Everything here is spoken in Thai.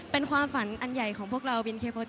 เป็นความฝันอันใหญ่ของพวกเรา